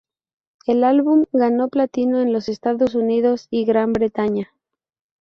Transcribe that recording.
El álbum ganó platino en los Estados Unidos y Gran Bretaña.